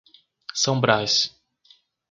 São Brás